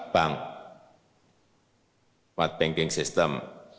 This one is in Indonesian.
bank matbanking sistem